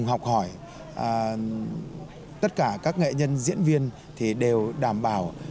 học hỏi tất cả các nghệ nhân diễn viên thì đều đảm bảo